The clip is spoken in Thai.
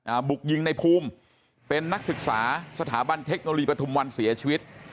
บุกยิงในภูมิเป็นนักศึกษาสถาบันเทคโนโลยีปฐุมวันเสียชีวิต